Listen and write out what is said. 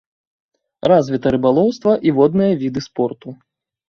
Развіта рыбалоўства і водныя віды спорту.